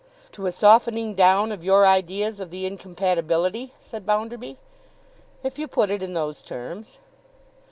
'To a softening down of your ideas of the incompatibility?' said Bounderby. 'If you put it in those terms.